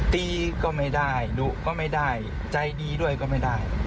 ตีก็ไม่ได้ดุก็ไม่ได้ใจดีด้วยก็ไม่ได้